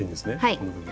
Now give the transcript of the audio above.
この部分。